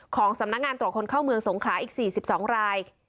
สำนักงานตรวจคนเข้าเมืองสงขลาอีก๔๒ราย